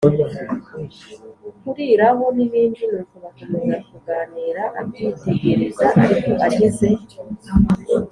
kuriraho n’ibindi nuko bakomeza kuganira abyitegereza ariko ageze